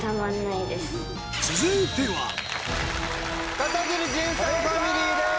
片桐仁さんファミリーです。